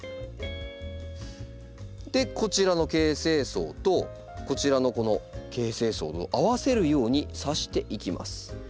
でこちらの形成層とこちらのこの形成層を合わせるようにさしていきます。